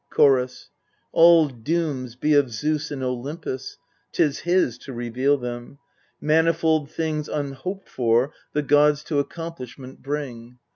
Chorus. All dooms be of Zeus in Olympus; 'tis his to reveal them. Manifold things unhoped for the gods to accomplish ment bring.